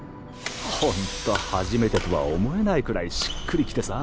ほんと初めてとは思えないくらいしっくりきてさ。